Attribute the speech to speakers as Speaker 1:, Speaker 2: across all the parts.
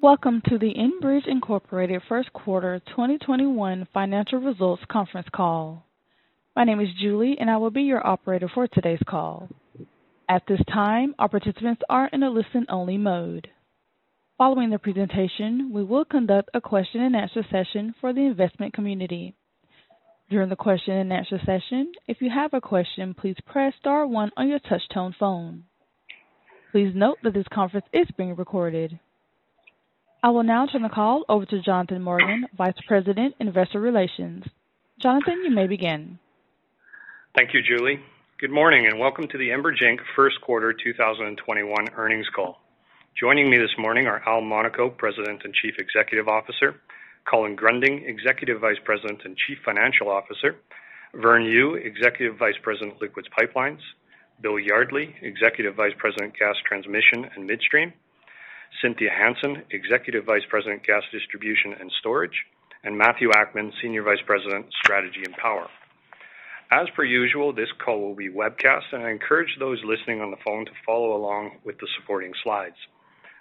Speaker 1: Welcome to the Enbridge Inc. Q1 2021 Financial Results Conference Call. My name is Julie, and I will be your operator for today's call. At this time, all participants are in a listen-only mode. Following the presentation, we will conduct a question-and-answer session for the investment community. During the question-and-answer session, if you have a question, please press star one on your touch-tone phone. Please note that this conference is being recorded. I will now turn the call over to Jonathan Morgan, Vice President, Investor Relations. Jonathan, you may begin.
Speaker 2: Thank you, Julie. Good morning, and welcome to the Enbridge Inc. Q1 2021 earnings call. Joining me this morning are Al Monaco, President and Chief Executive Officer, Colin Gruending, Executive Vice President and Chief Financial Officer, Vern Yu, Executive Vice President, Liquids Pipelines, Bill Yardley, Executive Vice President, Gas Transmission and Midstream, Cynthia Hansen, Executive Vice President, Gas Distribution and Storage, and Matthew Akman, Senior Vice President, Strategy and Power. As per usual, this call will be webcast, and I encourage those listening on the phone to follow along with the supporting slides.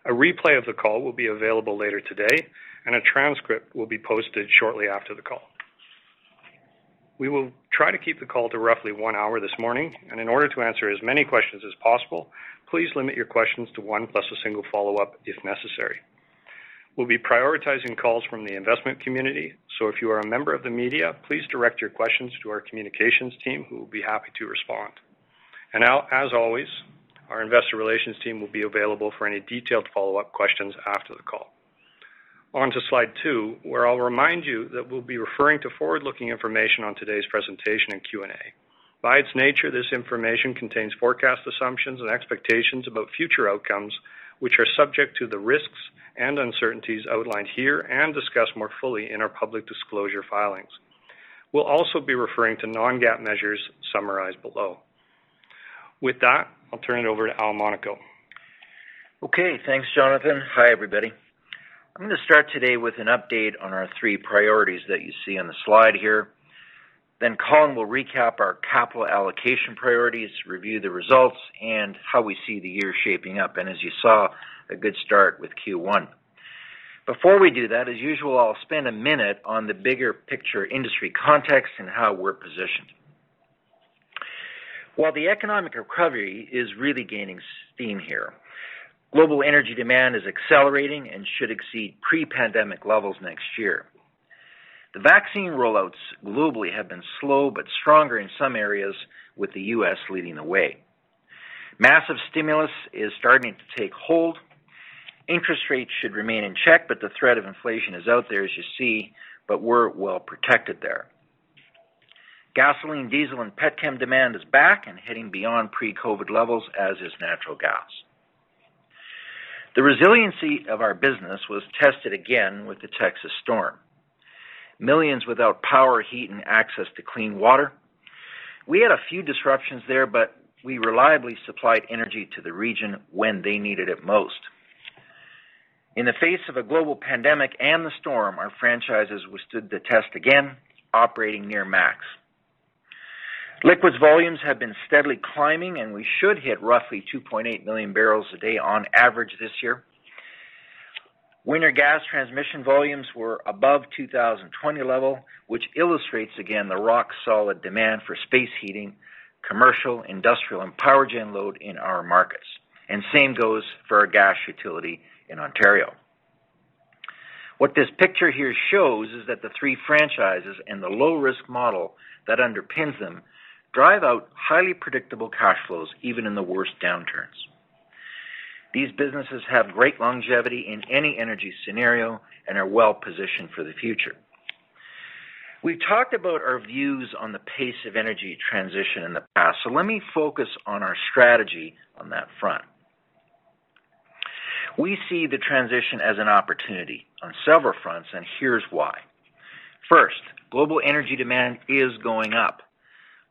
Speaker 2: A replay of the call will be available later today, and a transcript will be posted shortly after the call. We will try to keep the call to roughly one hour this morning, and in order to answer as many questions as possible, please limit your questions to one, plus a single follow-up if necessary. If you are a member of the media, please direct your questions to our communications team, who will be happy to respond. As always, our investor relations team will be available for any detailed follow-up questions after the call. On to slide two, where I'll remind you that we'll be referring to forward-looking information on today's presentation and Q&A. By its nature, this information contains forecast assumptions and expectations about future outcomes, which are subject to the risks and uncertainties outlined here and discussed more fully in our public disclosure filings. We'll also be referring to non-GAAP measures summarized below. With that, I'll turn it over to Al Monaco.
Speaker 3: Okay. Thanks, Jonathan. Hi, everybody. I'm going to start today with an update on our three priorities that you see on the slide here. Colin will recap our capital allocation priorities, review the results, and how we see the year shaping up, and as you saw, a good start with Q1. Before we do that, as usual, I'll spend a minute on the bigger picture industry context and how we're positioned. While the economic recovery is really gaining steam here, global energy demand is accelerating and should exceed pre-pandemic levels next year. The vaccine rollouts globally have been slow but stronger in some areas, with the U.S. leading the way. Massive stimulus is starting to take hold. Interest rates should remain in check, but the threat of inflation is out there as you see, but we're well-protected there. Gasoline, diesel, and pet chem demand is back and heading beyond pre-COVID levels, as is natural gas. The resiliency of our business was tested again with the Texas storm. Millions without power, heat, and access to clean water. We had a few disruptions there, but we reliably supplied energy to the region when they needed it most. In the face of a global pandemic and the storm, our franchises withstood the test again, operating near max. Liquids volumes have been steadily climbing, and we should hit roughly 2.8 million barrels a day on average this year. Winter Gas Transmission volumes were above 2020 level, which illustrates again the rock-solid demand for space heating, commercial, industrial, and power gen load in our markets, and the same goes for our Gas utility in Ontario. What this picture here shows is that the three franchises and the low-risk model that underpins them drive out highly predictable cash flows, even in the worst downturns. These businesses have great longevity in any energy scenario and are well-positioned for the future. We've talked about our views on the pace of energy transition in the past, so let me focus on our strategy on that front. We see the transition as an opportunity on several fronts, and here's why. First, global energy demand is going up,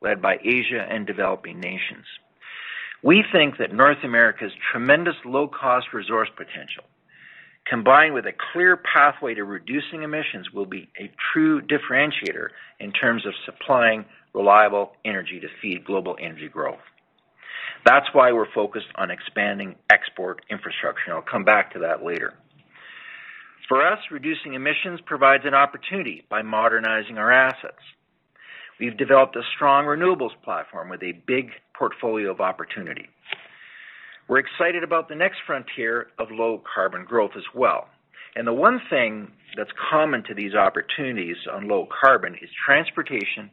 Speaker 3: led by Asia and developing nations. We think that North America's tremendous low-cost resource potential, combined with a clear pathway to reducing emissions, will be a true differentiator in terms of supplying reliable energy to feed global energy growth. That's why we're focused on expanding export infrastructure, and I'll come back to that later. For us, reducing emissions provides an opportunity by modernizing our assets. We've developed a strong renewables platform with a big portfolio of opportunity. We're excited about the next frontier of low-carbon growth as well. The one thing that's common to these opportunities on low carbon is transportation,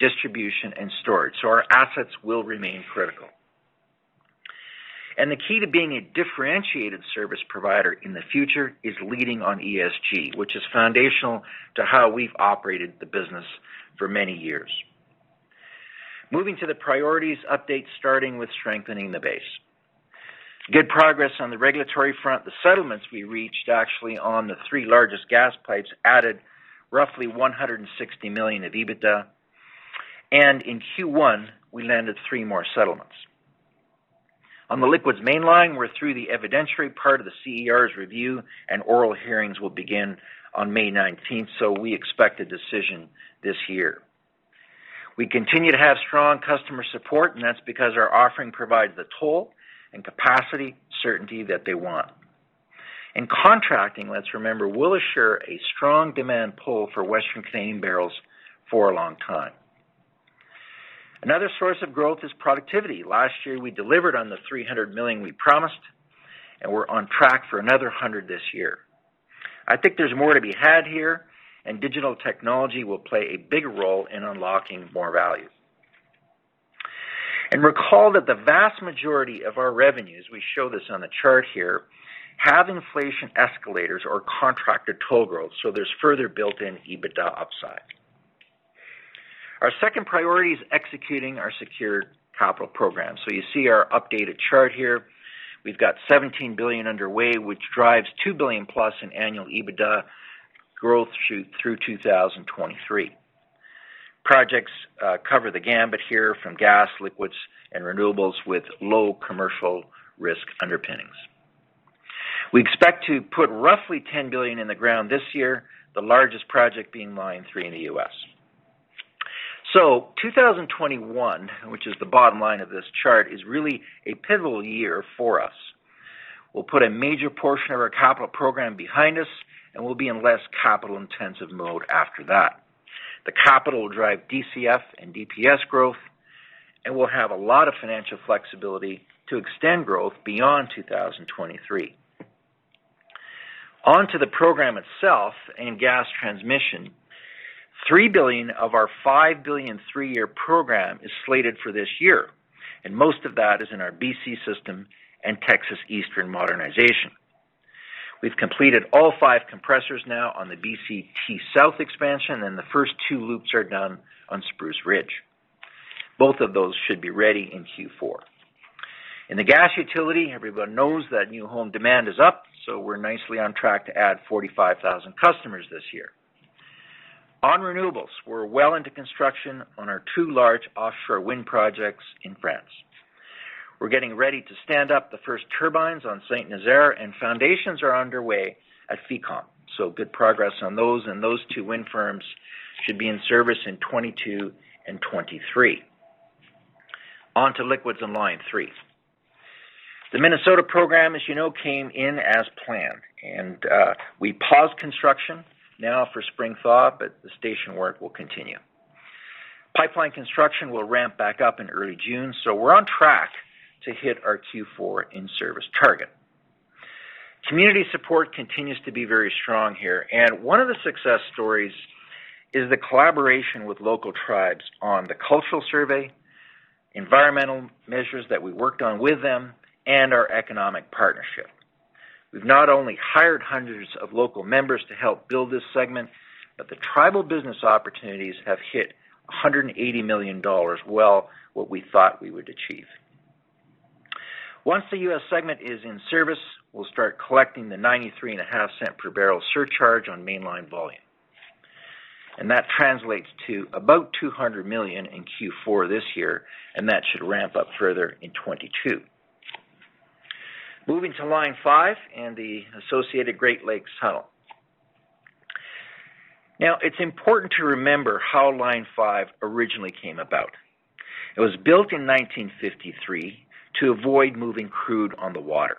Speaker 3: distribution, and storage. Our assets will remain critical. The key to being a differentiated service provider in the future is leading on ESG, which is foundational to how we've operated the business for many years. Moving to the priorities update, starting with strengthening the base. Good progress on the regulatory front. The settlements we reached actually on the three largest gas pipes added roughly 160 million of EBITDA, and in Q1, we landed three more settlements. On the Liquids Mainline, we're through the evidentiary part of the CER's review. Oral hearings will begin on May 19th. We expect a decision this year. We continue to have strong customer support. That's because our offering provides the toll and capacity certainty that they want. In contracting, let's remember, we'll assure a strong demand pull for Western Canadian barrels for a long time. Another source of growth is productivity. Last year, we delivered on the 300 million we promised. We're on track for another 100 million this year. I think there's more to be had here. Digital technology will play a big role in unlocking more value. Recall that the vast majority of our revenues, we show this on the chart here, have inflation escalators or contracted toll growth. There's further built-in EBITDA upside. Our second priority is executing our secured capital program. You see our updated chart here. We've got 17 billion underway, which drives 2 billion-plus in annual EBITDA growth through 2023. Projects cover the gambit here from gas, liquids, and renewables with low commercial risk underpinnings. We expect to put roughly 10 billion in the ground this year, the largest project being Line 3 in the U.S. 2021, which is the bottom line of this chart, is really a pivotal year for us. We'll put a major portion of our capital program behind us, and we'll be in less capital-intensive mode after that. The capital will drive DCF and DPS growth, and we'll have a lot of financial flexibility to extend growth beyond 2023. On to the program itself and gas transmission. 3 billion of our 5 billion three-year program is slated for this year, and most of that is in our BC system and Texas Eastern modernization. We've completed all five compressors now on the BC T-South expansion. The first two loops are done on Spruce Ridge. Both of those should be ready in Q4. In the gas utility, everyone knows that new home demand is up. We're nicely on track to add 45,000 customers this year. On renewables, we're well into construction on our two large offshore wind projects in France. We're getting ready to stand up the first turbines on St. Nazaire. Foundations are underway at Fécamp. Good progress on those. Those two wind farms should be in service in 2022 and 2023. On to liquids and Line 3. The Minnesota program, as you know, came in as planned. We paused construction now for spring thaw. The station work will continue. Pipeline construction will ramp back up in early June. We're on track to hit our Q4 in-service target. Community support continues to be very strong here. One of the success stories is the collaboration with local tribes on the cultural survey, environmental measures that we worked on with them, and our economic partnership. We've not only hired hundreds of local members to help build this segment. The tribal business opportunities have hit 180 million dollars, well what we thought we would achieve. Once the U.S. segment is in service, we'll start collecting the 0.935 per barrel surcharge on Mainline volume. That translates to about 200 million in Q4 this year. That should ramp up further in 2022. Moving to Line 5 and the associated Great Lakes Tunnel. Now, it's important to remember how Line 5 originally came about. It was built in 1953 to avoid moving crude on the water.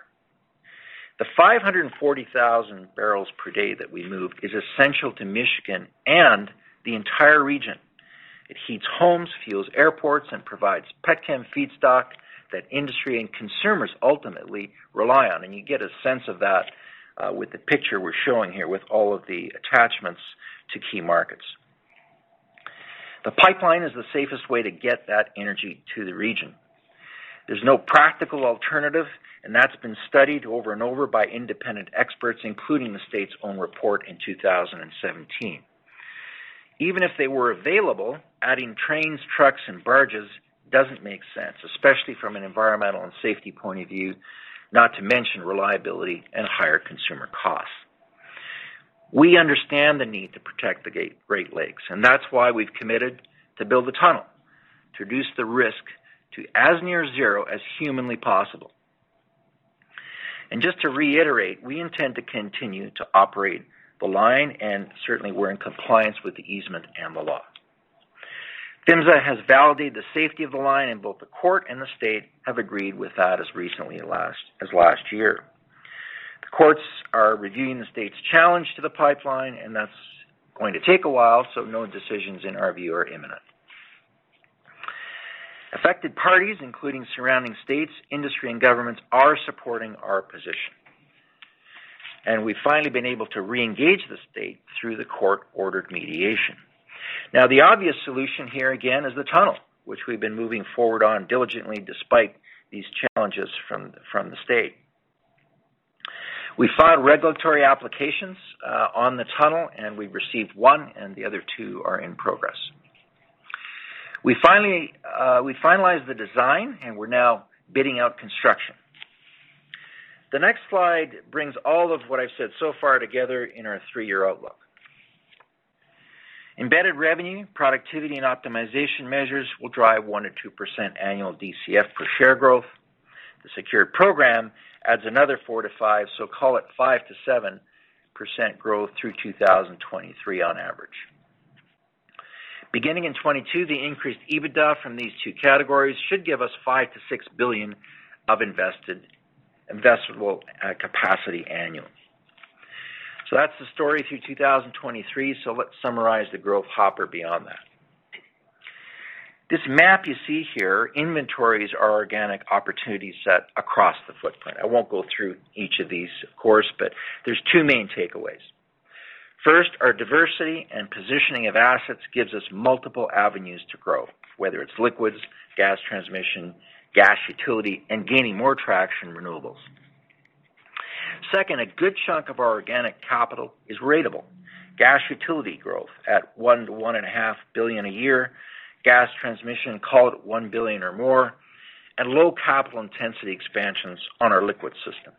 Speaker 3: The 540,000 barrels per day that we move is essential to Michigan and the entire region. It heats homes, fuels airports, and provides pet chem feedstock that industry and consumers ultimately rely on. You get a sense of that; with the picture we're showing here with all of the attachments to key markets. The pipeline is the safest way to get that energy to the region. There's no practical alternative, that's been studied over and over by independent experts, including the state's own report in 2017. Even if they were available, adding trains, trucks, and barges doesn't make sense, especially from an environmental and safety point of view, not to mention reliability and higher consumer costs. We understand the need to protect the Great Lakes, and that's why we've committed to build the tunnel, to reduce the risk to as near zero as humanly possible. Just to reiterate, we intend to continue to operate the line, and certainly, we're in compliance with the easement and the law. PHMSA has validated the safety of the line, and both the court and the state have agreed with that as recently as last year. The courts are reviewing the state's challenge to the pipeline, and that's going to take a while, so no decisions, in our view, are imminent. Affected parties, including surrounding states, industry, and governments, are supporting our position. We've finally been able to reengage the state through the court-ordered mediation. Now, the obvious solution here again is the tunnel, which we've been moving forward on diligently despite these challenges from the state. We filed regulatory applications on the tunnel, and we've received one, and the other two are in progress. We finalized the design, and we're now bidding out construction. The next slide brings all of what I've said so far together in our three-year outlook. Embedded revenue, productivity, and optimization measures will drive 1%-2% annual DCF per share growth. Secured program adds another four to five, so call it 5%-7% growth through 2023 on average. Beginning in 2022, the increased EBITDA from these two categories should give us 5 billion-6 billion of investable capacity annually. That's the story through 2023. Let's summarize the growth hopper beyond that. This map you see here, inventories our organic opportunity set across the footprint. I won't go through each of these, of course, but there's two main takeaways. First, our diversity and positioning of assets give us multiple avenues to grow, whether it's liquids, gas transmission, gas utility, and gaining more traction in renewables. Second, a good chunk of our organic capital is ratable. Gas utility growth at 1 billion-1.5 billion a year, gas transmission, call it 1 billion or more, and low capital intensity expansions on our liquid system.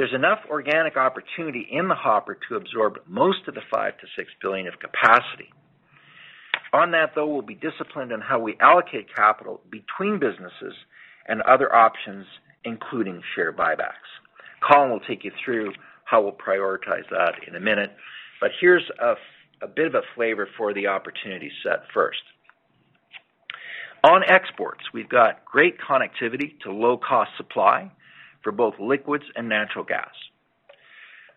Speaker 3: There's enough organic opportunity in the hopper to absorb most of the 5 billion-6 billion of capacity. On that, though, we'll be disciplined in how we allocate capital between businesses and other options, including share buybacks. Colin will take you through how we'll prioritize that in a minute. Here's a bit of a flavor for the opportunity set first. On exports, we've got great connectivity to low-cost supply for both liquids and natural gas.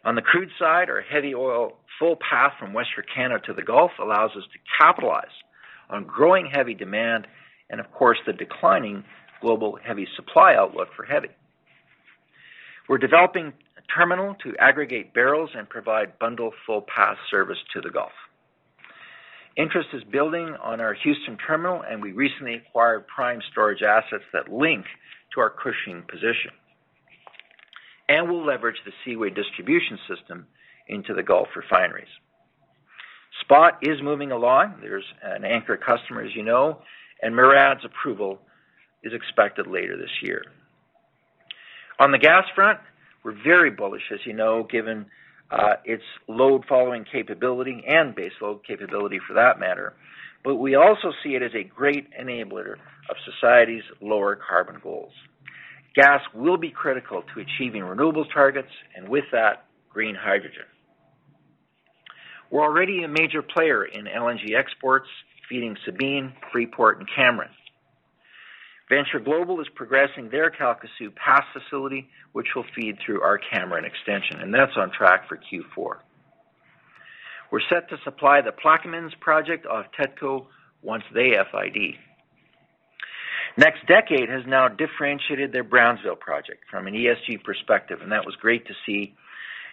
Speaker 3: On the crude side, our heavy oil full path from West Canada to the Gulf allows us to capitalize on growing heavy demand and, of course, the declining global heavy supply outlook for heavy. We're developing a terminal to aggregate barrels and provide bundle full path service to the Gulf. Interest is building on our Houston terminal, and we recently acquired prime storage assets that link to our Cushing position. We'll leverage the Seaway distribution system into the Gulf refineries. SPOT is moving along. There's an anchor customer, as you know, MARAD's approval is expected later this year. On the gas front, we're very bullish, as you know, given its load-following capability and base load capability for that matter. We also see it as a great enabler of society's lower carbon goals. Gas will be critical to achieving renewables targets and with that, green hydrogen. We're already a major player in LNG exports, feeding Sabine, Freeport, and Cameron. Venture Global is progressing their Calcasieu Pass facility, which will feed through our Cameron extension, and that is on track for Q4. We're set to supply the Plaquemines project of TETCO once they FID. NextDecade has now differentiated their Brownsville project from an ESG perspective, and that was great to see,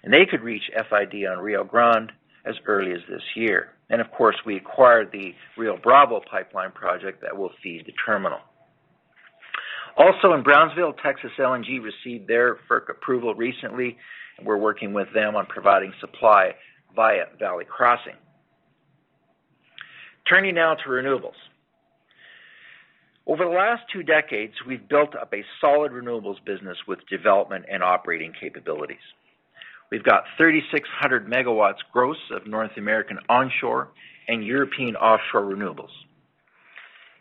Speaker 3: and they could reach FID on Rio Grande as early as this year. Of course, we acquired the Rio Bravo Pipeline project that will feed the terminal. Also in Brownsville, Texas LNG received their FERC approval recently, and we're working with them on providing supply via Valley Crossing. Turning now to renewables. Over the last two decades, we've built up a solid renewables business with development and operating capabilities. We've got 3,600 MW gross of North American onshore and European offshore renewables.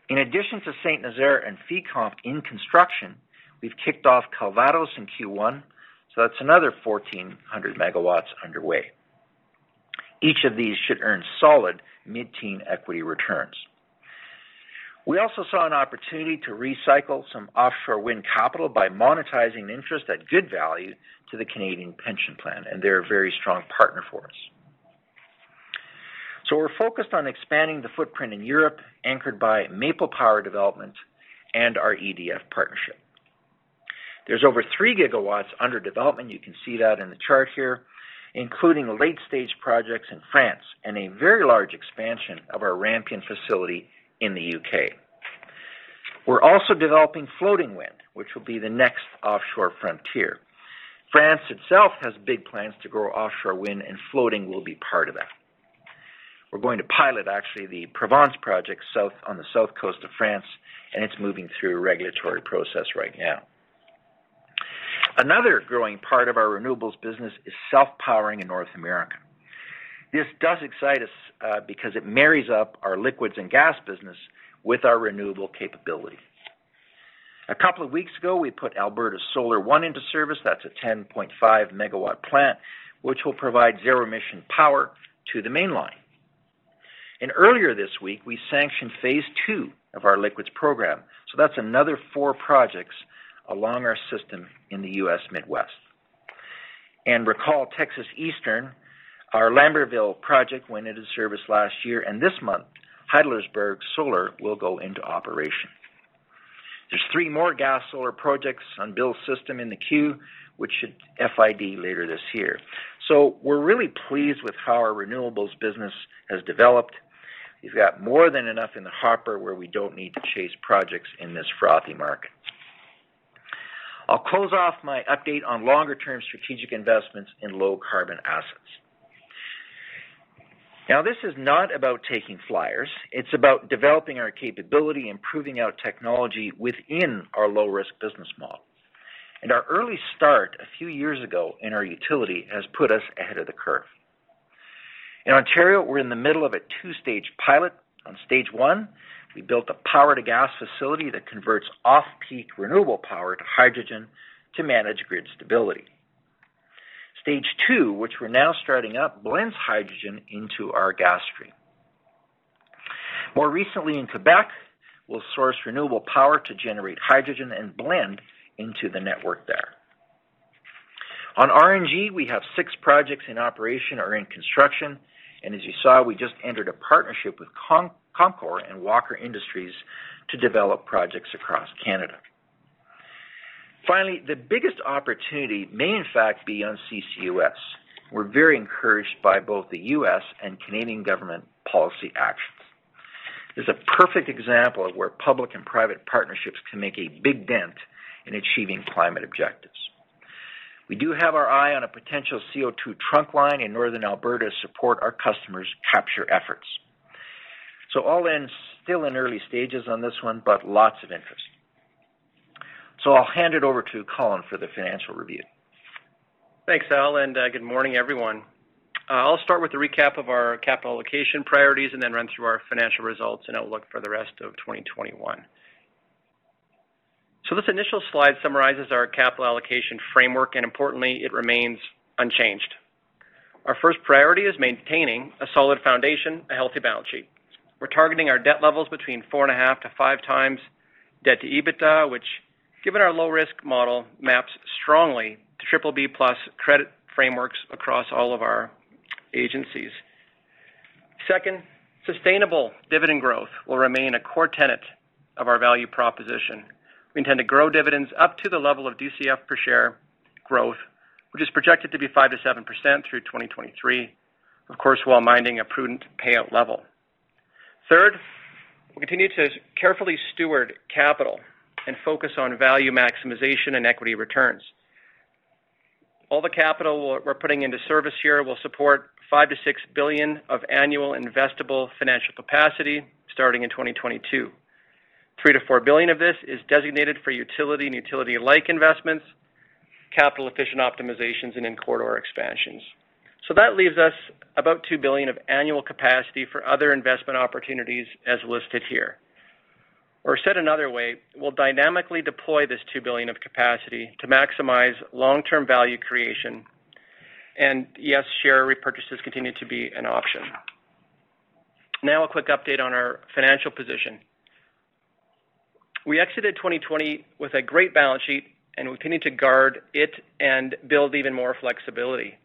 Speaker 3: In addition to St. Nazaire and Fécamp in construction, we've kicked off Calvados in Q1. That's another 1,400 MW underway. Each of these should earn solid mid-teen equity returns. We also saw an opportunity to recycle some offshore wind capital by monetizing interest at good value to the Canadian pension plan. They're a very strong partner for us. We're focused on expanding the footprint in Europe, anchored by Maple Power development and our EDF partnership. There's over three GW under development, you can see that in the chart here, including late-stage projects in France and a very large expansion of our Rampion facility in the U.K. We're also developing floating wind, which will be the next offshore frontier. France itself has big plans to grow offshore wind. Floating will be part of that. We're going to pilot actually the Provence project on the south coast of France. It's moving through regulatory process right now. Another growing part of our renewables business is self-powering in North America. This does excite us because it marries up our liquids and gas business with our renewable capability. A couple of weeks ago, we put Alberta Solar One into service. That's a 10.5-megawatt plant, which will provide zero-emission power to the Mainline. Earlier this week, we sanctioned phase II of our liquids program, so that's another four projects along our system in the U.S. Midwest. Recall Texas Eastern, our Lambertville project went into service last year, and this month, Heidlersburg Solar will go into operation. There are three more gas solar projects on Bill Yardley's system in the queue, which should FID later this year. We're really pleased with how our renewables business has developed. We've got more than enough in the hopper where we don't need to chase projects in this frothy market. I'll close off my update on longer-term strategic investments in low-carbon assets. This is not about taking flyers. It's about developing our capability and proving out technology within our low-risk business model. Our early start a few years ago in our utility has put us ahead of the curve. In Ontario, we're in the middle of a two-stage pilot. On stage one, we built a power-to-gas facility that converts off-peak renewable power to hydrogen to manage grid stability. Stage two, which we're now starting up, blends hydrogen into our gas stream. More recently in Quebec, we'll source renewable power to generate hydrogen and blend into the network there. On RNG, we have six projects in operation or in construction. As you saw, we just entered a partnership with Comcor Environmental and Walker Industries to develop projects across Canada. The biggest opportunity may in fact be on CCUS. We are very encouraged by both the U.S. and Canadian government policy actions. This is a perfect example of where public and private partnerships can make a big dent in achieving climate objectives. We do have our eye on a potential CO2 trunk line in Northern Alberta to support our customers' capture efforts. All in, still in early stages on this one, lots of interest. I will hand it over to Colin for the financial review.
Speaker 4: Thanks, Al. Good morning, everyone. I'll start with a recap of our capital allocation priorities and then run through our financial results and outlook for the rest of 2021. This initial slide summarizes our capital allocation framework, and importantly, it remains unchanged. Our first priority is maintaining a solid foundation, a healthy balance sheet. We're targeting our debt levels between 4.5-5 times debt to EBITDA, which, given our low-risk model, maps strongly to BBB+ credit frameworks across all of our agencies. Second, sustainable dividend growth will remain a core tenet of our value proposition. We intend to grow dividends up to the level of DCF per share growth, which is projected to be 5%-7% through 2023, of course, while minding a prudent payout level. Third, we continue to carefully steward capital and focus on value maximization and equity returns. All the capital we're putting into service here will support 5-6 billion of annual investable financial capacity starting in 2022. 3-4 billion of this is designated for utility and utility-like investments, capital-efficient optimizations, and in-quarter expansions. That leaves us about 2 billion of annual capacity for other investment opportunities as listed here. Said another way, we'll dynamically deploy this 2 billion of capacity to maximize long-term value creation. Yes, share repurchases continue to be an option. Now a quick update on our financial position. We exited 2020 with a great balance sheet, and we're continuing to guard it and build even more flexibility.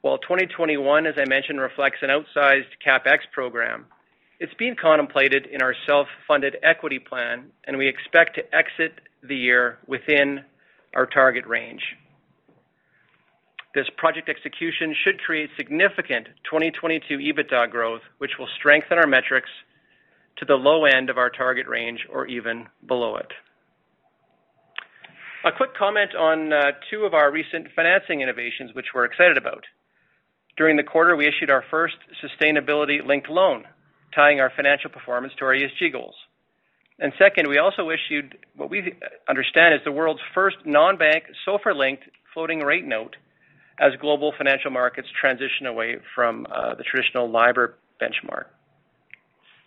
Speaker 4: While 2021, as I mentioned, reflects an outsized CapEx program, it's being contemplated in our self-funded equity plan, and we expect to exit the year within our target range. This project execution should create significant 2022 EBITDA growth, which will strengthen our metrics to the low end of our target range or even below it. A quick comment on two of our recent financing innovations, which we're excited about. During the quarter, we issued our first sustainability-linked loan, tying our financial performance to our ESG goals. Second, we also issued what we understand is the world's first non-bank SOFR-linked floating rate note as global financial markets transition away from the traditional LIBOR benchmark.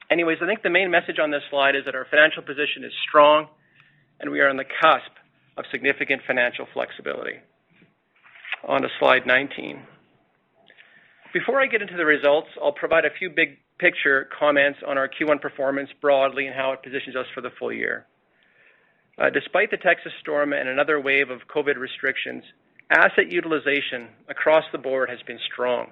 Speaker 4: Anyways, I think the main message on this slide is that our financial position is strong, and we are on the cusp of significant financial flexibility. On to slide 19. Before I get into the results, I'll provide a few big-picture comments on our Q1 performance broadly and how it positions us for the full year. Despite the Texas storm and another wave of COVID restrictions, asset utilization across the board has been strong.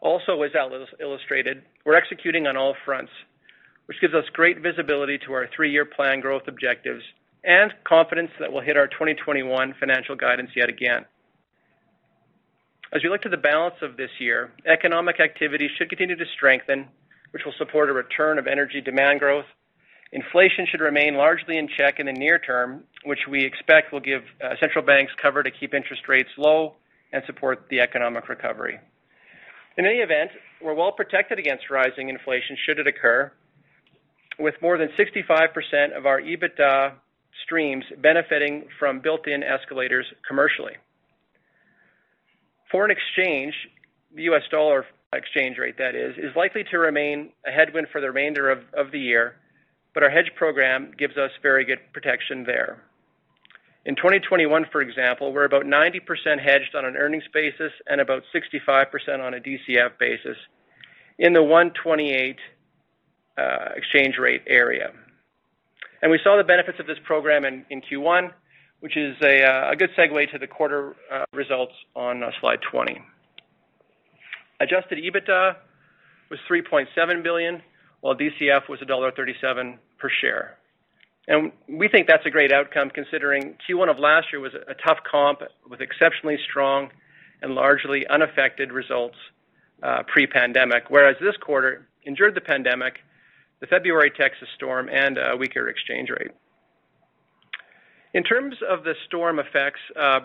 Speaker 4: Also, as Al has illustrated, we're executing on all fronts, which gives us great visibility to our three-year plan growth objectives and confidence that we'll hit our 2021 financial guidance yet again. As we look to the balance of this year, economic activity should continue to strengthen, which will support a return of energy demand growth. Inflation should remain largely in check in the near term, which we expect will give central banks cover to keep interest rates low and support the economic recovery. In any event, we're well-protected against rising inflation should it occur, with more than 65% of our EBITDA streams benefiting from built-in escalators commercially. Foreign exchange, the U.S. dollar exchange rate, that is likely to remain a headwind for the remainder of the year, but our hedge program gives us very good protection there. In 2021, for example, we're about 90% hedged on an earnings basis and about 65% on a DCF basis in the 128-exchange rate area. We saw the benefits of this program in Q1, which is a good segue to the quarter results on slide 20. Adjusted EBITDA was 3.7 billion, while DCF was dollar 1.37 per share. We think that's a great outcome considering Q1 of last year was a tough comp with exceptionally strong and largely unaffected results pre-pandemic. Whereas this quarter endured the pandemic, the February Texas storm, and a weaker exchange rate. In terms of the storm effects,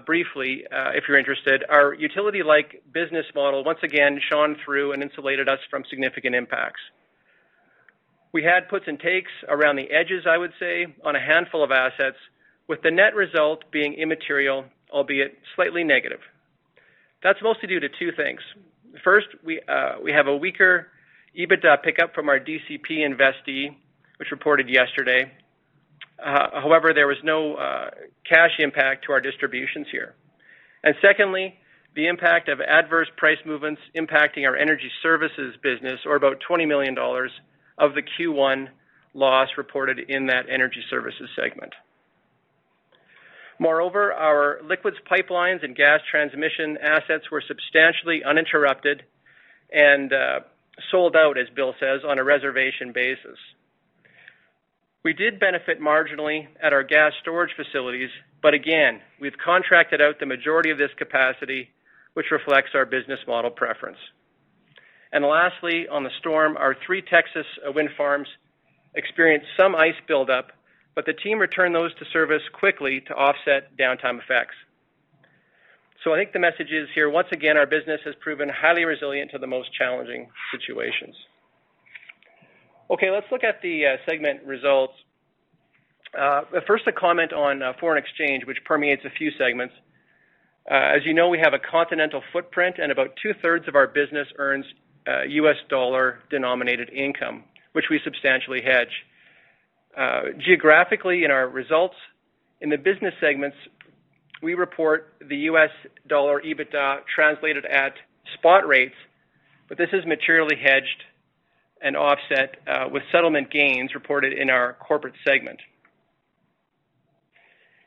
Speaker 4: briefly, if you're interested, our utility-like business model once again shone through and insulated us from significant impacts. We had puts and takes around the edges, I would say, on a handful of assets, with the net result being immaterial, albeit slightly negative. That's mostly due to two things. First, we have a weaker EBITDA pickup from our DCP investee, which reported yesterday. However, there was no cash impact to our distributions here. Secondly, the impact of adverse price movements impacting our energy services business or about 20 million dollars of the Q1 loss reported in that energy services segment. Moreover, our Liquids Pipelines and Gas Transmission assets were substantially uninterrupted and sold out, as Bill says, on a reservation basis. We did benefit marginally at our gas storage facilities, again, we've contracted out the majority of this capacity, which reflects our business model preference. Lastly, on the storm, our three Texas wind farms experienced some ice buildup, the team returned those to service quickly to offset downtime effects. I think the message is here, once again, our business has proven highly resilient to the most challenging situations. Okay, let's look at the segment results. First, a comment on foreign exchange, which permeates a few segments. As you know, we have a continental footprint and about two-thirds of our business earns U.S. dollar-denominated income, which we substantially hedge. Geographically, in our results in the business segments, we report the U.S. dollar EBITDA translated at spot rates, this is materially hedged and offset with settlement gains reported in our corporate segment.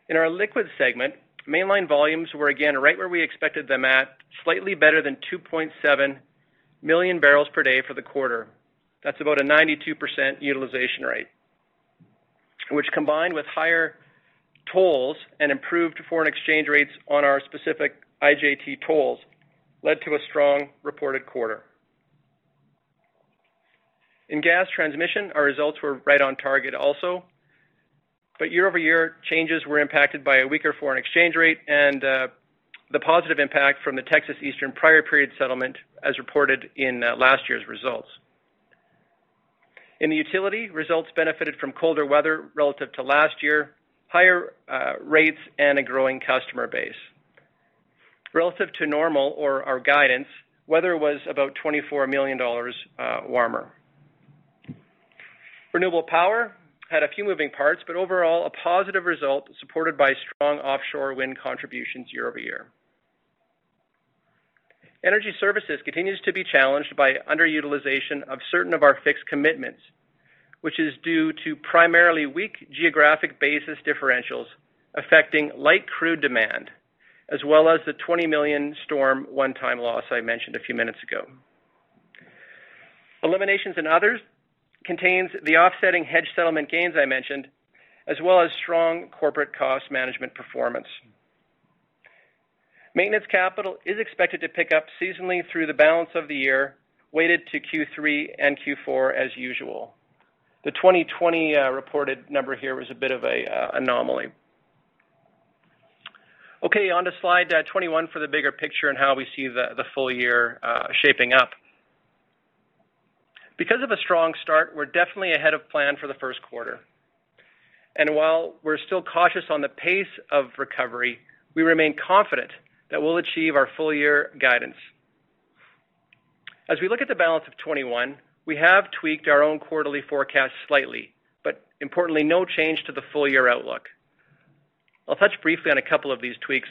Speaker 4: In our Liquids Pipelines segment, Mainline volumes were again right where we expected them at, slightly better than 2.7 million barrels per day for the quarter. That's about a 92% utilization rate, which, combined with higher tolls and improved foreign exchange rates on our specific IJT tolls, led to a strong reported quarter. In Gas Transmission and Midstream, our results were right on target also. Year-over-year changes were impacted by a weaker foreign exchange rate and the positive impact from the Texas Eastern Transmission prior period settlement as reported in last year's results. In the Gas Distribution and Storage, results benefited from colder weather relative to last year, higher rates, and a growing customer base. Relative to normal or our guidance, weather was about 24 million dollars warmer. Renewable Power had a few moving parts, but overall, a positive result supported by strong offshore wind contributions year-over-year. Energy services continue to be challenged by underutilization of certain of our fixed commitments, which is due to primarily weak geographic basis differentials affecting light crude demand, as well as the 20 million storm one-time loss I mentioned a few minutes ago. Eliminations in others contains the offsetting hedge settlement gains I mentioned, as well as strong corporate cost management performance. Maintenance capital is expected to pick up seasonally through the balance of the year, weighted to Q3 and Q4 as usual. The 2020 reported number here was a bit of an anomaly. On to slide 21 for the bigger picture and how we see the full year shaping up. Because of a strong start, we're definitely ahead of plan for the Q1. While we're still cautious on the pace of recovery, we remain confident that we'll achieve our full-year guidance. As we look at the balance of 2021, we have tweaked our own quarterly forecast slightly, but importantly, no change to the full-year outlook. I'll touch briefly on a couple of these tweaks.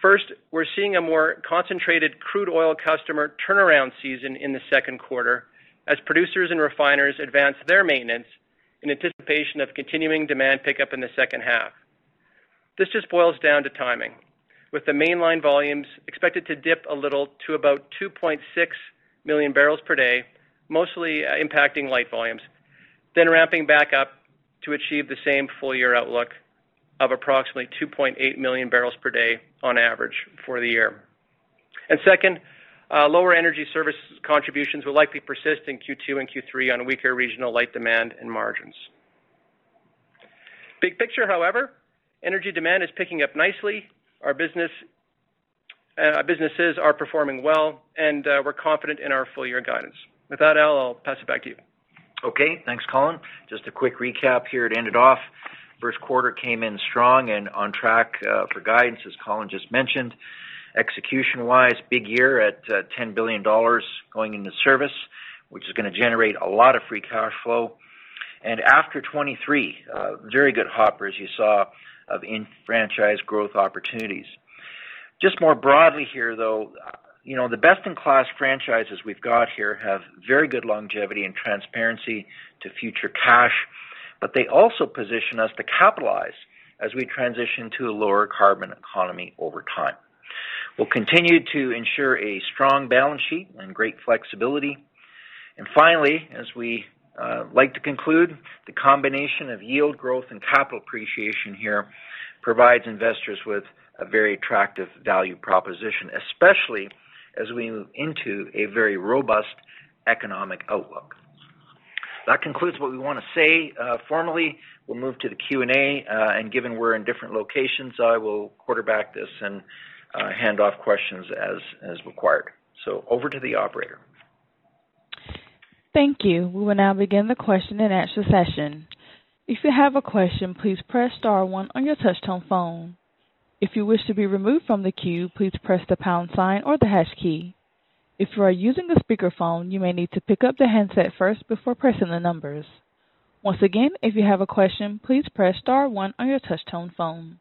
Speaker 4: First, we're seeing a more concentrated crude oil customer turnaround season in the Q2 as producers and refiners advance their maintenance in anticipation of continuing demand pickup in the H2. This just boils down to timing, with the Mainline volumes expected to dip a little to about 2.6 million barrels per day, mostly impacting light volumes, then ramping back up to achieve the same full-year outlook of approximately 2.8 million barrels per day on average for the year. Second, lower energy service contributions will likely persist in Q2 and Q3 on weaker regional light demand and margins. Big picture, however, energy demand is picking up nicely. Our businesses are performing well, and we're confident in our full-year guidance. With that, Al, I'll pass it back to you.
Speaker 3: Okay. Thanks, Colin. Just a quick recap here to end it off. Q1 came in strong and on track for guidance, as Colin just mentioned. Execution-wise, big year at 10 billion dollars going into service, which is going to generate a lot of free cash flow. After 2023, very good hopper as you saw of enfranchised growth opportunities. Just more broadly here, though, the best-in-class franchises we've got here have very good longevity and transparency to future cash, but they also position us to capitalize as we transition to a lower carbon economy over time. We'll continue to ensure a strong balance sheet and great flexibility. Finally, as we like to conclude, the combination of yield growth and capital appreciation here provides investors with a very attractive value proposition, especially as we move into a very robust economic outlook. That concludes what we want to say formally. We'll move to the Q&A, and given we're in different locations, I will quarterback this and hand off questions as required. Over to the operator.
Speaker 1: Thank you. We will now begin the question-and-answer session. If you have a question, please press star one on your touch-tone phone. If you wish to be removed from the queue, please press the pound sign or the hash key. If you are using a speakerphone, you may need to pick up the handset first before pressing the numbers. Once again, if you have a question, please press star one on your touch-tone phone.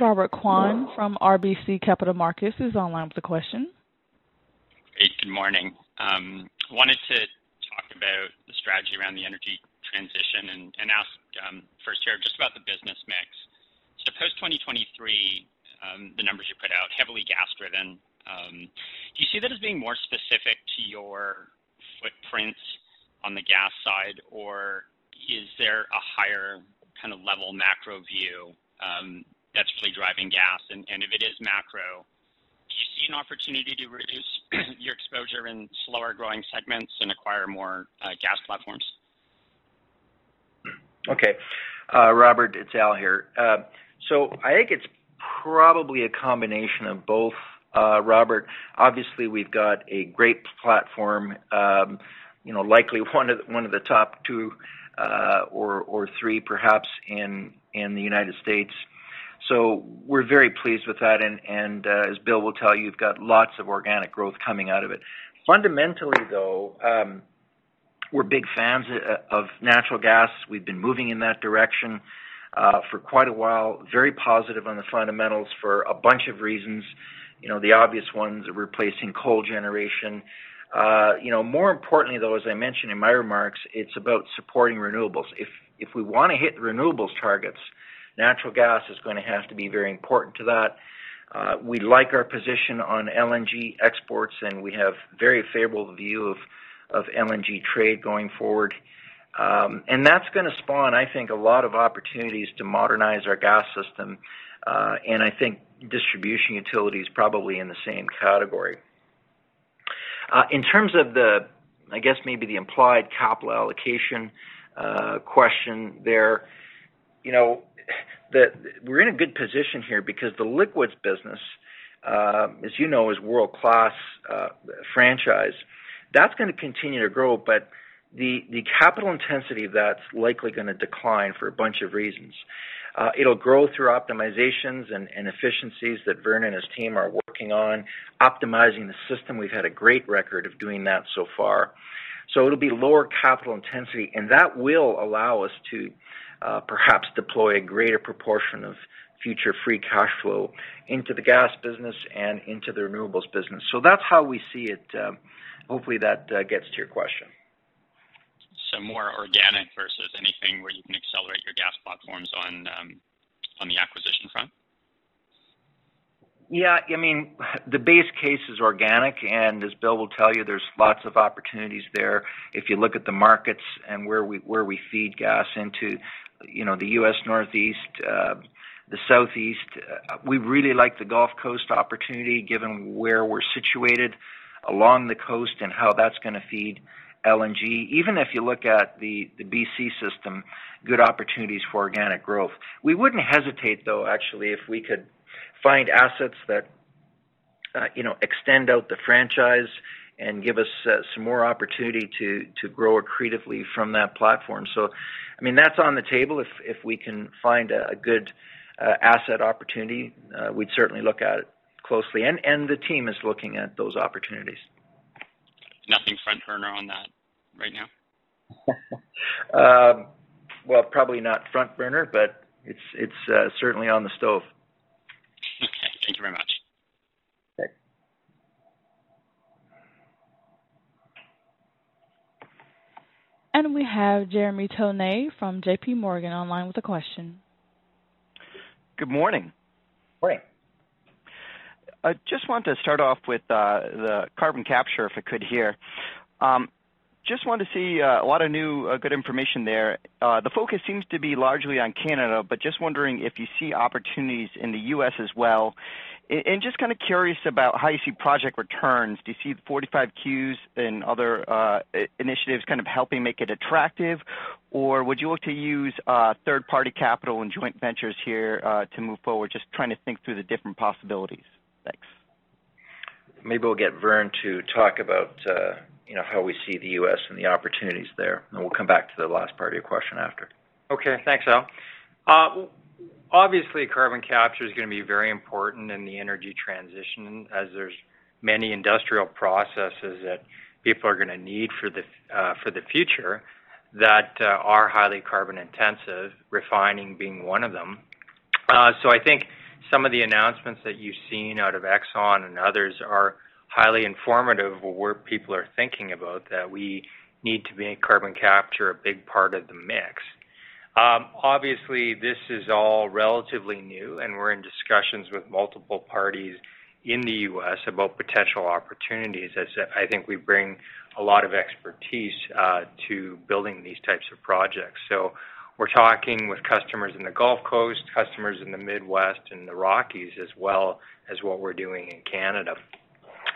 Speaker 1: Robert Kwan from RBC Capital Markets is online with a question.
Speaker 5: Great. Good morning. Wanted to talk about the strategy around the energy transition and ask first here just about the business mix. Post 2023, the numbers you put out, heavily gas driven. Do you see that as being more specific to your footprint on the gas side, or is there a higher-level macro view that's really driving gas? If it is macro, do you see an opportunity to reduce your exposure in slower-growing segments and acquire more gas platforms?
Speaker 3: Robert, it's Al here. I think it's probably a combination of both, Robert. Obviously, we've got a great platform, likely one of the top two or three perhaps in the U.S. We're very pleased with that, and as Bill will tell you, we've got lots of organic growth coming out of it. Fundamentally, though, we're big fans of natural gas. We've been moving in that direction for quite a while. Very positive on the fundamentals for a bunch of reasons, the obvious ones, replacing coal generation. More importantly, though, as I mentioned in my remarks, it's about supporting renewables. If we want to hit renewables targets, natural gas is going to have to be very important to that. We like our position on LNG exports, and we have very favorable view of LNG trade going forward. That's going to spawn, I think, a lot of opportunities to modernize our gas system. I think distribution utility's probably in the same category. In terms of the, I guess maybe the implied capital allocation question there, we're in a good position here because the liquids business, as you know, is world-class franchise. That's going to continue to grow, but the capital intensity of that's likely going to decline for a bunch of reasons. It'll grow through optimizations and efficiencies that Vern and his team are working on optimizing the system. We've had a great record of doing that so far. It'll be lower capital intensity, and that will allow us to perhaps deploy a greater proportion of future free cash flow into the gas business and into the renewables business. That's how we see it. Hopefully, that gets to your question.
Speaker 5: More organic versus anything where you can accelerate your gas platforms on the acquisition front?
Speaker 3: Yeah, the base case is organic, and as Bill will tell you, there's lots of opportunities there. If you look at the markets and where we feed gas into the U.S. Northeast, the Southeast. We really like the Gulf Coast opportunity, given where we're situated along the coast and how that's going to feed LNG. Even if you look at the BC system, good opportunities for organic growth. We wouldn't hesitate, though, actually, if we could find assets that extend out the franchise and give us some more opportunity to grow accretively from that platform. That's on the table. If we can find a good asset opportunity, we'd certainly look at it closely, and the team is looking at those opportunities.
Speaker 5: Nothing front burner on that right now?
Speaker 3: Well, probably not front burner, but it's certainly on the stove.
Speaker 5: Okay. Thank you very much.
Speaker 1: We have Jeremy Tonet from JPMorgan online with a question.
Speaker 6: Good morning.
Speaker 3: Morning.
Speaker 6: I just want to start off with the carbon capture, if I could here. Just wanted to see a lot of new, good information there. The focus seems to be largely on Canada but just wondering if you see opportunities in the U.S. as well. Just curious about how you see project returns. Do you see Section 45Q and other initiatives helping make it attractive, or would you look to use third-party capital and joint ventures here to move forward? Just trying to think through the different possibilities. Thanks.
Speaker 3: Maybe we'll get Vern to talk about how we see the U.S. and the opportunities there, and we'll come back to the last part of your question after.
Speaker 7: Okay. Thanks, Al. Obviously, carbon capture is going to be very important in the energy transition as there's many industrial processes that people are going to need for the future that are highly carbon-intensive, refining being one of them. I think some of the announcements that you've seen out of Exxon and others are highly informative of where people are thinking about that we need to make carbon capture a big part of the mix. Obviously, this is all relatively new, and we're in discussions with multiple parties in the U.S. about potential opportunities, as I think we bring a lot of expertise to building these types of projects. We're talking with customers in the Gulf Coast, customers in the Midwest, and the Rockies, as well as what we're doing in Canada.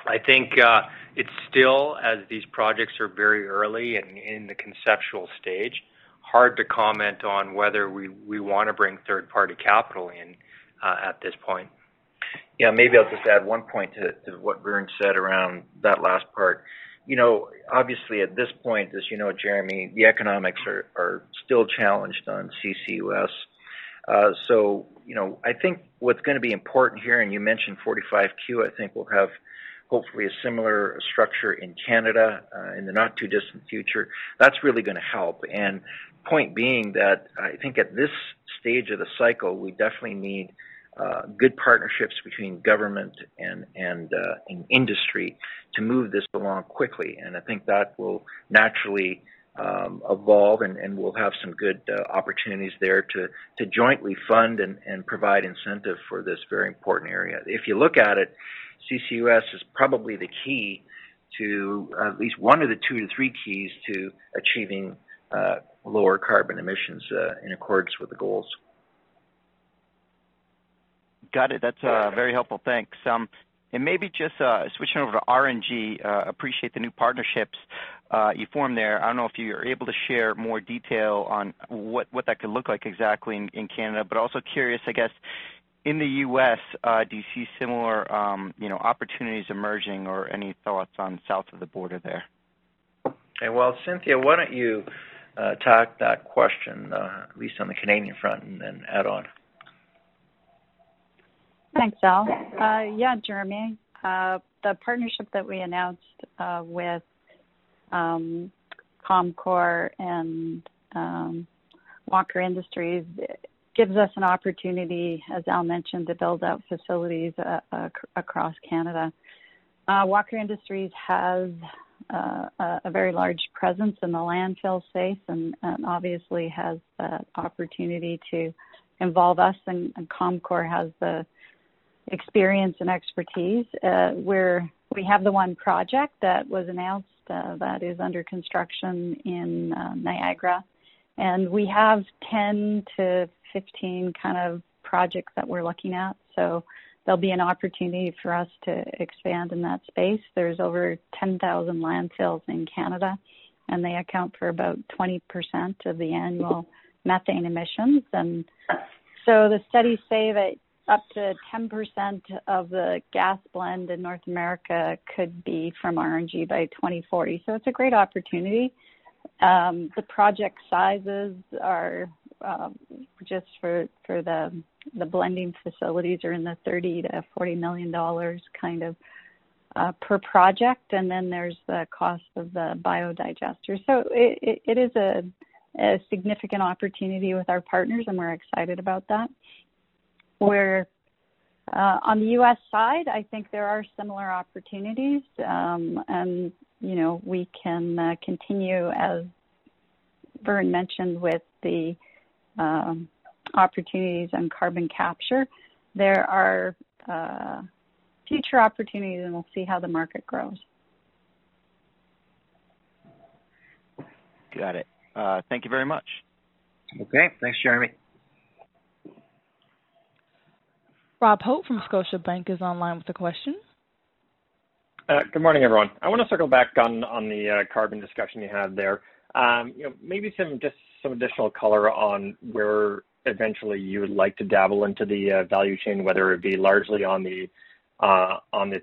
Speaker 7: I think it's still, as these projects are very early and in the conceptual stage, hard to comment on whether we want to bring third-party capital in at this point.
Speaker 3: Yeah. Maybe I'll just add one point to what Vern said around that last part. Obviously, at this point, as you know, Jeremy, the economics are still challenged on CCUS. I think what's going to be important here, and you mentioned 45Q, I think we'll have hopefully a similar structure in Canada in the not-too-distant future. That's really going to help. Point being that I think at this stage of the cycle, we definitely need good partnerships between government and industry to move this along quickly. I think that will naturally evolve, and we'll have some good opportunities there to jointly fund and provide incentive for this very important area. If you look at it, CCUS is probably the key to, at least one of the two to three keys to achieving lower carbon emissions in accordance with the goals.
Speaker 6: Got it. That's very helpful. Thanks. Maybe just switching over to RNG, appreciate the new partnerships you formed there. I don't know if you're able to share more detail on what that could look like exactly in Canada. Also curious, I guess, in the U.S., do you see similar opportunities emerging or any thoughts on south of the border there?
Speaker 3: Okay. Well, Cynthia, why don't you tack that question, at least on the Canadian front, and then add on.
Speaker 8: Thanks, Al. Yeah, Jeremy. The partnership that we announced with Comcor and Walker Industries gives us an opportunity, as Al mentioned, to build out facilities across Canada. Walker Industries has a very large presence in the landfill space, and obviously has the opportunity to involve us, and Comcor has the experience and expertise, where we have the one project that was announced that is under construction in Niagara. We have 10-15 kind of projects that we're looking at, so there'll be an opportunity for us to expand in that space. There are over 10,000 landfills in Canada, and they account for about 20% of the annual methane emissions. The studies say that up to 10% of the gas blend in North America could be from RNG by 2040. It's a great opportunity. The project sizes are, just for the blending facilities, are in the 30 million to 40 million dollars kind of per project, and then there's the cost of the biodigester. It is a significant opportunity with our partners, and we're excited about that. On the U.S. side, I think there are similar opportunities. We can continue, as Vern Yu mentioned, with the opportunities on carbon capture. There are future opportunities, and we'll see how the market grows.
Speaker 6: Got it. Thank you very much.
Speaker 3: Okay. Thanks, Jeremy.
Speaker 1: Robert Hope from Scotiabank is online with a question.
Speaker 9: Good morning, everyone. I want to circle back on the carbon discussion you had there. Maybe just some additional color on where eventually you would like to dabble into the value chain, whether it be largely on the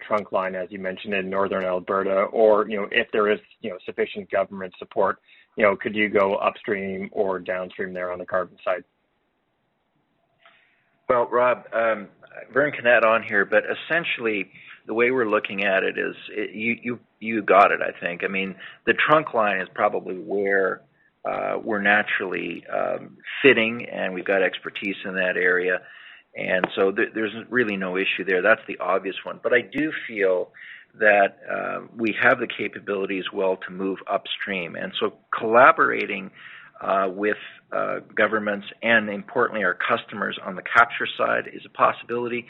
Speaker 9: trunk line, as you mentioned, in Northern Alberta, or if there is sufficient government support, could you go upstream or downstream there on the carbon side?
Speaker 3: Well, Rob, Vern can add on here, essentially, the way we're looking at it is, you got it, I think. The trunk line is probably where we're naturally fitting, we've got expertise in that area. There's really no issue there. That's the obvious one. I do feel that we have the capability as well to move upstream. Collaborating with governments and importantly, our customers on the capture side is a possibility.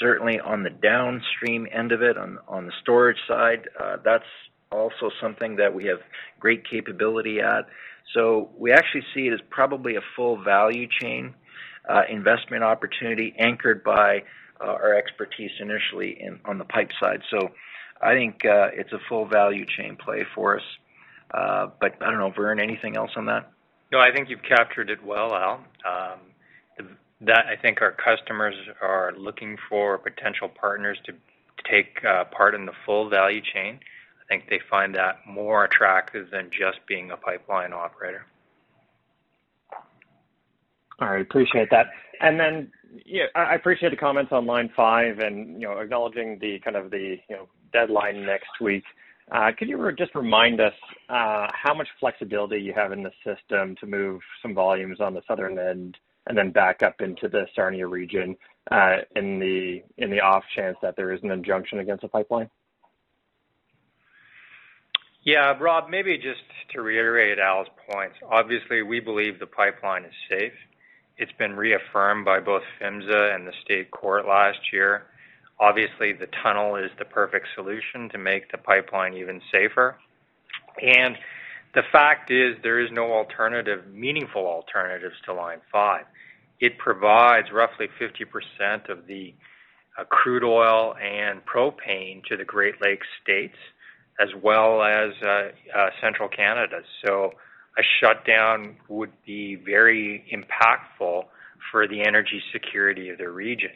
Speaker 3: Certainly, on the downstream end of it, on the storage side, that's also something that we have great capability at. We actually see it as probably a full value chain investment opportunity anchored by our expertise initially on the pipe side. I think it's a full value chain play for us. I don't know, Vern, anything else on that?
Speaker 7: No, I think you've captured it well, Al. I think our customers are looking for potential partners to take part in the full value chain. I think they find that more attractive than just being a pipeline operator.
Speaker 9: All right. Appreciate that. I appreciate the comments on Line 5 and acknowledging the deadline next week. Could you just remind us how much flexibility you have in the system to move some volumes on the southern end and then back up into the Sarnia region, in the off chance that there is an injunction against the pipeline?
Speaker 7: Robert, maybe just to reiterate Al's points. Obviously, we believe the pipeline is safe. It's been reaffirmed by both PHMSA and the state court last year. Obviously, the tunnel is the perfect solution to make the pipeline even safer. The fact is that there are no meaningful alternatives to Line 5. It provides roughly 50% of the crude oil and propane to the Great Lakes states, as well as central Canada. A shutdown would be very impactful for the energy security of the region.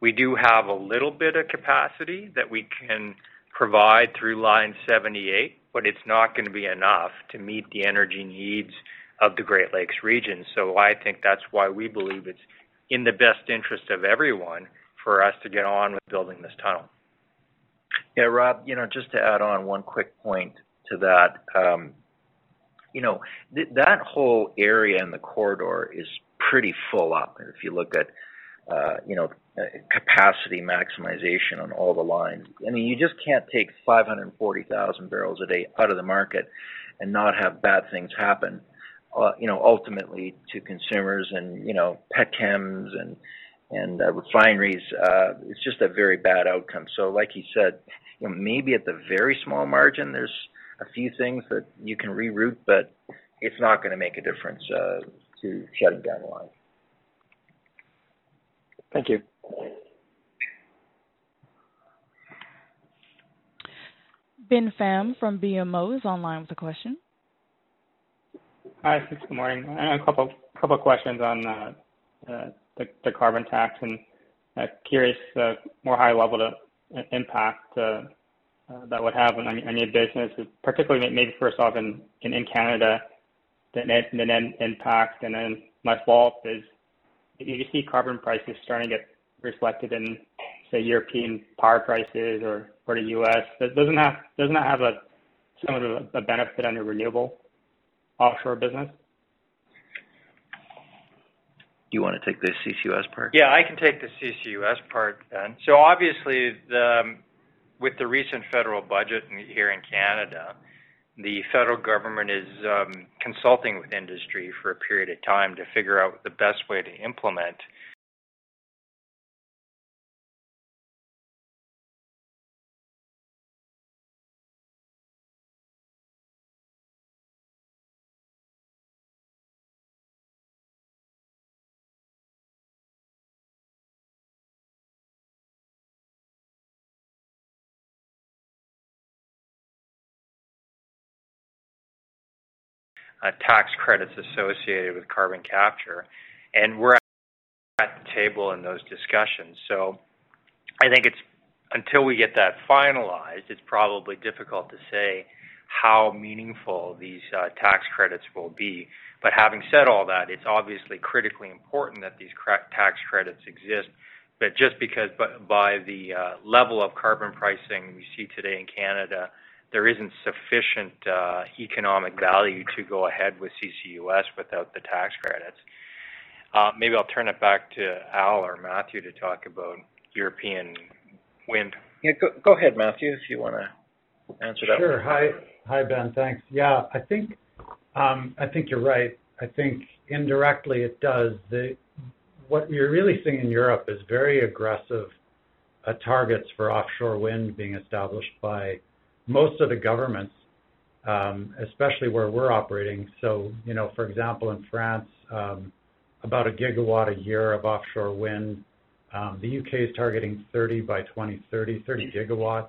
Speaker 7: We do have a little bit of capacity that we can provide through Line 78, but it's not going to be enough to meet the energy needs of the Great Lakes region. I think that's why we believe it's in the best interest of everyone for us to get on with building this tunnel.
Speaker 3: Yeah, Rob, just to add on one quick point to that. That whole area in the corridor is pretty full up if you look at capacity maximization on all the lines. You just can't take 540,000 barrels a day out of the market and not have bad things happen, ultimately to consumers and petchems and refineries. It's just a very bad outcome. Like he said, maybe at the very small margin, there's a few things that you can reroute, but it's not going to make a difference to shut it down the line.
Speaker 9: Thank you.
Speaker 1: Ben Pham from BMO is online with a question.
Speaker 10: Hi. Good morning. A couple of questions on the carbon tax, and curious more high level the impact that would have on your business, particularly maybe first off in Canada, the net impact. My follow-up is, do you see carbon prices starting to get reflected in, say, European power prices or the U.S.? Doesn't that have a similar benefit on your renewable offshore business?
Speaker 3: Do you want to take the CCUS part?
Speaker 7: Yeah, I can take the CCUS part, Ben. Obviously with the recent federal budget here in Canada, the federal government is consulting with industry for a period of time to figure out the best way to implement tax credits associated with carbon capture. We're at the table in those discussions. I think until we get that finalized, it's probably difficult to say how meaningful these tax credits will be. Having said all that, it's obviously critically important that these tax credits exist. Just because by the level of carbon pricing we see today in Canada, there isn't sufficient economic value to go ahead with CCUS without the tax credits. Maybe I'll turn it back to Al or Matthew to talk about European wind.
Speaker 3: Yeah, go ahead, Matthew, if you want to answer that.
Speaker 11: Sure. Hi, Ben. Thanks. Yeah, I think you're right. I think indirectly it does. What you're really seeing in Europe is very aggressive targets for offshore wind being established by most of the governments, especially where we're operating. For example, in France, about a gigawatt a year of offshore wind. The U.K. is targeting 30 by 2030, 30 gigawatts.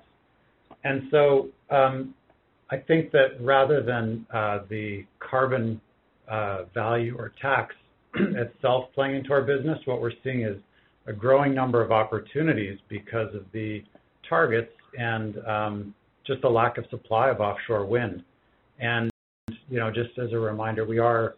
Speaker 11: I think that rather than the carbon value or tax itself playing into our business, what we're seeing is a growing number of opportunities because of the targets and just a lack of supply of offshore wind. Just as a reminder, we are...